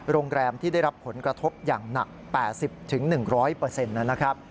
โรงแรมที่ได้รับผลกระทบอย่างหนัก๘๐๑๐๐นะครับ